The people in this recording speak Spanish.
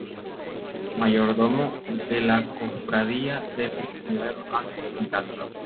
Mayordomo de la cofradía de Nuestra Señora de los Ángeles en Cartago.